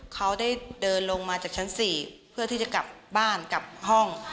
เขาได้เดินลงมาจากชั้น๔เพื่อที่จะกลับบ้านกลับห้อง